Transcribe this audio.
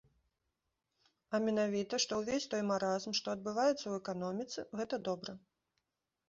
А менавіта, што ўвесь той маразм, што адбываецца ў эканоміцы, гэта добра.